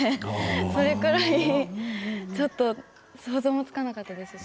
それくらい想像もつかなかったですし